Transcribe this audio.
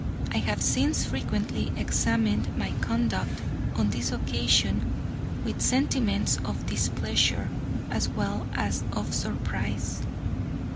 I have since frequently examined my conduct on this occasion with sentiments of displeasure as well as of surprise.